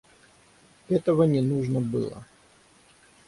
Этого не нужно было.